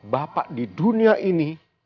bapak di dunia ini